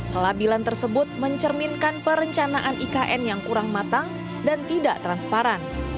kelabilan tersebut mencerminkan perencanaan ikn yang kurang matang dan tidak transparan